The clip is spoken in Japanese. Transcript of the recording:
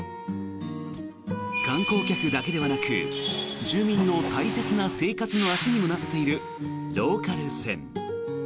観光客だけではなく住民の大切な生活の足になっているローカル線。